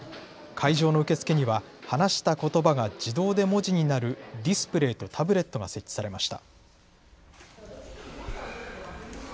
会場の受付には話したことばが自動で文字になるディスプレーとタブレットが設置されました。